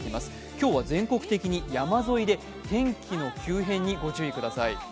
今日は全国的に山沿いで天気の急変にご注意ください。